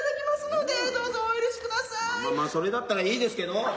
まあそれだったらいいですけど。